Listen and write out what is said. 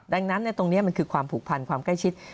ดังนั้นตรงนี้มันคือความผูกพันความใกล้ชิด